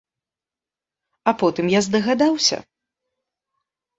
А потым я здагадаўся!